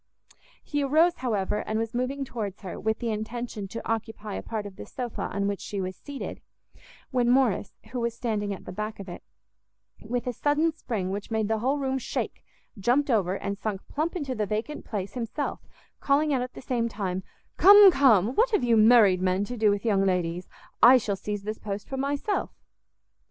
He arose, however, and was moving towards her, with the intention to occupy a part of a sofa on which she was seated, when Morrice, who was standing at the back of it, with a sudden spring which made the whole room shake, jumpt over, and sunk plump into the vacant place himself, calling out at the same time, "Come, come, what have you married men to do with young ladies? I shall seize this post for myself."